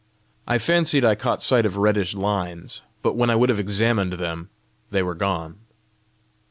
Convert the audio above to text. I fancied I caught sight of reddish lines, but when I would have examined them, they were gone.